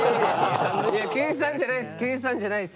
計算じゃないです